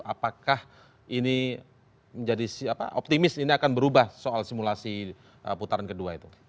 apakah ini menjadi optimis ini akan berubah soal simulasi putaran kedua itu